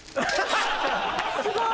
すごい！